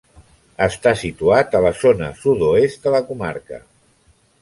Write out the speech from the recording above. Està situat a la zona sud-oest de la comarca.